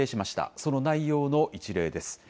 その内容の一例です。